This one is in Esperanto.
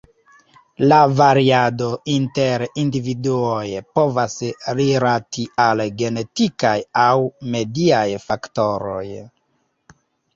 La variado inter individuoj povas rilati al genetikaj aŭ mediaj faktoroj.